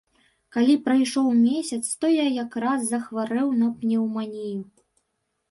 Калі прайшоў месяц, то я якраз захварэў на пнеўманію.